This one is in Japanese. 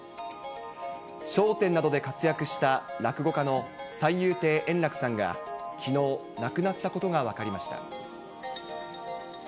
笑点などで活躍した落語家の三遊亭円楽さんがきのう、亡くなったことが分かりました。